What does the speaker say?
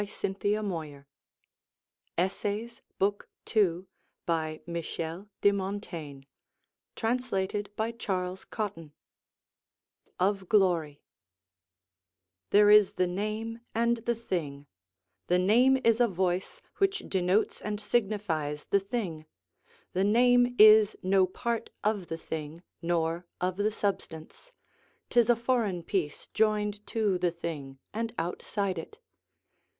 Why, there are thirty years that I have thus lived. CHAPTER XVI OF GLORY There is the name and the thing: the name is a voice which denotes and signifies the thing; the name is no part of the thing, nor of the substance; 'tis a foreign piece joined to the thing, and outside it.